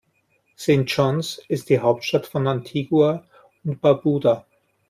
St. John’s ist die Hauptstadt von Antigua und Barbuda.